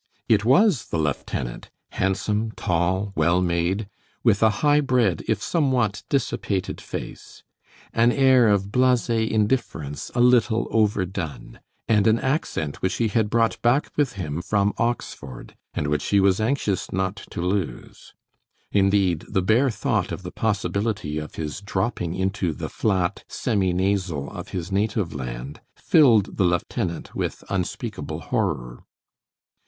It was the lieutenant, handsome, tall, well made, with a high bred if somewhat dissipated face, an air of blase indifference a little overdone, and an accent which he had brought back with him from Oxford, and which he was anxious not to lose. Indeed, the bare thought of the possibility of his dropping into the flat, semi nasal of his native land filled the lieutenant with unspeakable horror.